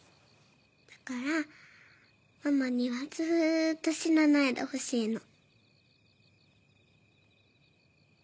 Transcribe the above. だからママにはずっと死なないでほしいの。